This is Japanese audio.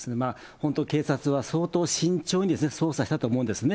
本当、警察は相当慎重に捜査したと思うんですね。